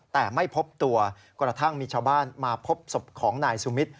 แต่ไม่พบตัวกระทั่งมีชาวบ้านมาพบศพของนายสุมิตร